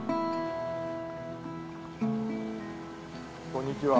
こんにちは。